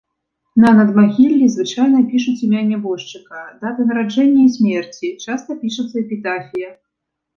На надмагіллі звычайна пішуць імя нябожчыка, даты нараджэння і смерці, часта пішацца эпітафія.